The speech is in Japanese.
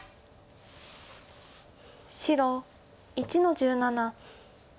白１の十七。